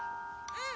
うん。